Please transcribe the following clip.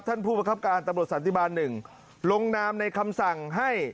ท่านผู้ประคับการตำรวจสันติบาล๑ลงนามในคำสั่งให้